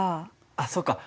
あっそうか。